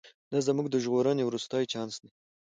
دا زموږ د ژغورنې وروستی چانس دی.